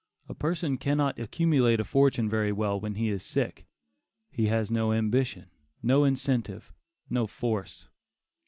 A person cannot accumulate a fortune very well when he is sick. He has no ambition; no incentive; no force.